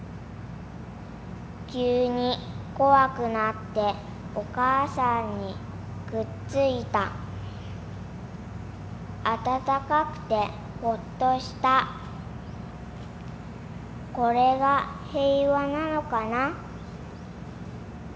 きゅうにこわくなっておかあさんにくっついたあたたかくてほっとしたこれがへいわなのかな